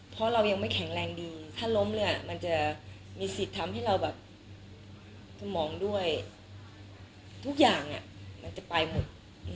เพราะเรายังไม่แข็งแรงดีถ้าล้มเลยมันจะมีสิทธิ์ทำให้เราแบบสมองด้วยทุกอย่างมันจะไปหมด